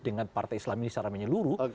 dengan partai islam ini secara menyeluruh